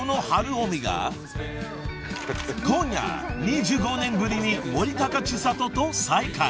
［今夜２５年ぶりに森高千里と再会］